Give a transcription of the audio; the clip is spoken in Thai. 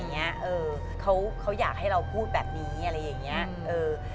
เออเขาเขาอยากให้เราพูดแบบนี้อะไรอย่างเงี้ยเออ